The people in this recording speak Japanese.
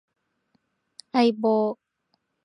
相棒